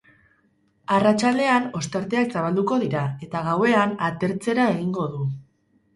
Arratsaldean ostarteak zabalduko dira eta gauean atertzera egingo du.